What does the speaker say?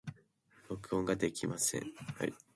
録音ができません。